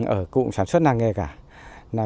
ở cụm sản xuất làng nghề cả